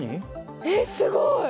えっすごい！